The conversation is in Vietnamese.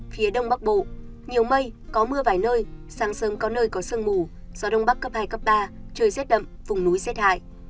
phía đông bắc bộ nhiều mây có mưa vài nơi sáng sớm có nơi có sương mù gió đông bắc cấp hai cấp ba trời rét đậm vùng núi rét hại